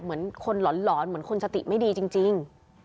เหมือนคนหลอนเหมือนคนสติไม่ดีจริง